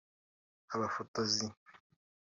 abafotozi